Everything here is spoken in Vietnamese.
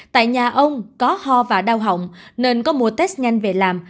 tại nhà ông có ho và đau hỏng nên có mùa test nhanh về làm